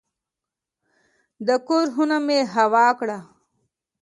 د کور خونه مې هوا کړه.